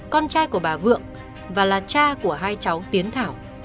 con trai của bà vượng và là cha của hai cháu tiến thảo